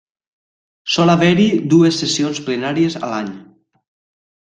Sol haver-hi dues sessions plenàries a l'any.